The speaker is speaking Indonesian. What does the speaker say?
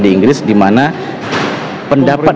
di inggris dimana pendapat